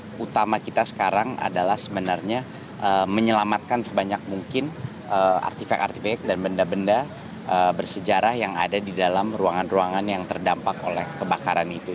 yang utama kita sekarang adalah sebenarnya menyelamatkan sebanyak mungkin artifik artipek dan benda benda bersejarah yang ada di dalam ruangan ruangan yang terdampak oleh kebakaran itu